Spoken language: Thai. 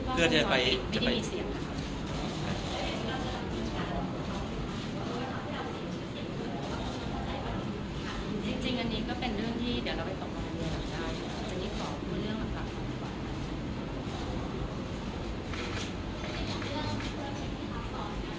เพื่อจะไปจะไปไม่ได้เสียงนะครับ